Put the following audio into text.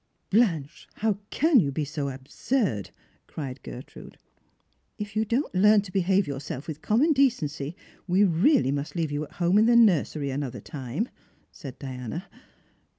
"Blanche, how can you be so absurd!" cried Gertrude. " If you don't learn to behave yourself with common decency, we really must leave you at home in the nursery another time," eaid Diana.